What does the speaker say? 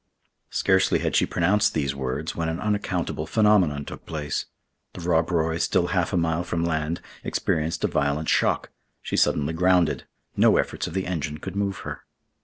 Scarcely had she pronounced these words when an unaccountable phenomenon took place. The Rob Roy, still half a mile from land, experienced a violent shock. She suddenly grounded. No efforts of the engine could move her.